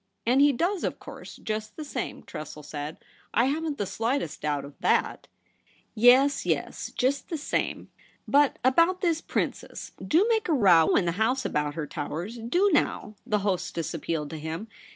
' And he does, of course, just the same,' TOMMY TRESSEL. 141 Tressel said ;' I haven't the slightest doubt of />^^/.' 'Yes, yes, just the same.' ' But about this Princess. Do make a row in the House about her, Towers — do now,' the hostess appealed to him.